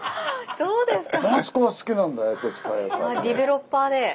そうですか。